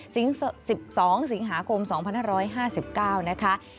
สิงห์๑๒สิงหาคม๒๕๕๙นะคะ